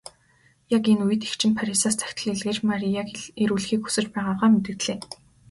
Яг энэ үед эгч нь Парисаас захидал илгээж Марияг ирүүлэхийг хүсэж байгаагаа мэдэгдлээ.